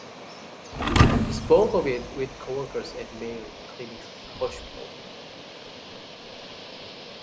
He spoke of it with coworkers at Mayo Clinic Hospital.